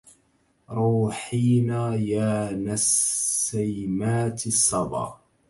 روحينا يا نسيمات الصبا